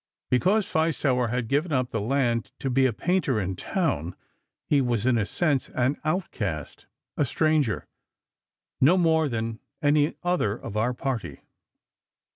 Because Feistauer had given up the land to be a painter in town, he was, in a sense, an outcast, a stranger—no more than any other of our party.